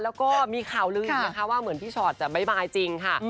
แล้วก็มีข่าวลืออีกนะคะว่าเหมือนพี่ชอตจะไม่บายจริงค่ะ